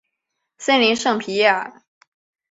森林圣皮耶尔。